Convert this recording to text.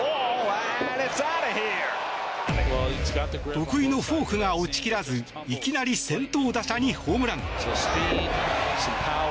得意のフォークが落ち切らずいきなり先頭打者にホームラン。